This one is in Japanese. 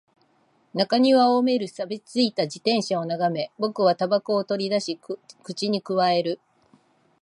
中庭を埋める錆び付いた自転車を眺め、僕は煙草を取り出し、口に咥える